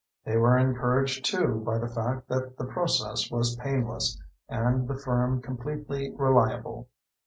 They were encouraged, too, by the fact that the process was painless, and the firm completely reliable.